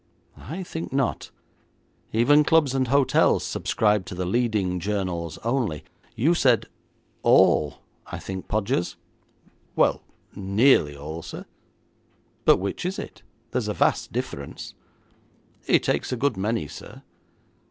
'I think not. Even clubs and hotels subscribe to the leading journals only. You said all, I think, Podgers?' 'Well, nearly all, sir.' 'But which is it? There's a vast difference.' 'He takes a good many, sir.'